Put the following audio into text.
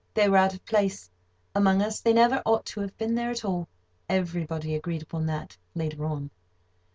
They were out of place, among us. They never ought to have been there at all. Everybody agreed upon that, later on.